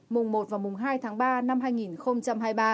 mùng một và mùng hai tháng ba năm hai nghìn hai mươi ba